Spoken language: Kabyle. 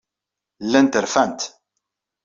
Llant rfant.